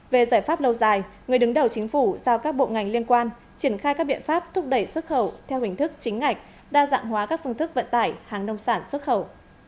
về giải pháp lâu dài người đứng đầu chính phủ giao các bộ ngành liên quan triển khai các biện pháp thúc đẩy xuất khẩu theo hình thức chính ngạch đa dạng hóa các phương thức vận tải hàng nông sản xuất khẩu